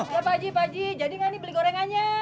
ya pak haji pak haji jadi nggak nih beli gorengannya